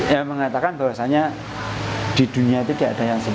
yang mengatakan bahwasanya di dunia itu tidak ada yang sebut